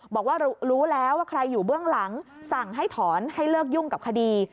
บอกว่ารู้แล้วว่าใครอยู่เบื้องหลังสั่งให้ถอนให้เลิกยุ่งกับคดี